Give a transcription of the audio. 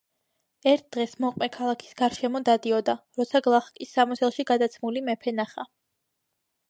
ერთ დღეს მოყმე ქალაქის გარშემო დადიოდა, როცა გლახაკის სამოსელში გადაცმული მეფე ნახა.